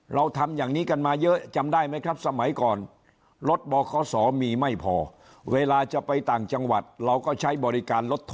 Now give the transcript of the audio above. เราทำอย่างนี้กันมาเยอะจำได้ไหมครับสมัยก่อน